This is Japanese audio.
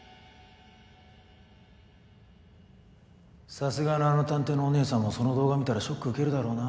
さすがのあの探偵のおねえさんもその動画見たらショック受けるだろうな。